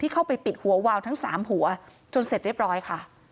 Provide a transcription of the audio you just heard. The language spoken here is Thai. เข้าไปปิดหัววาวทั้ง๓หัวจนเสร็จเรียบร้อยค่ะ